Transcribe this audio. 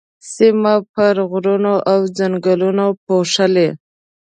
سيمه پر غرونو او ځنګلونو پوښلې.